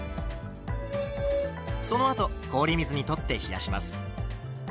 そのあと氷水にとって冷やします。